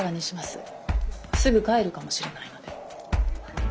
すぐ帰るかもしれないので。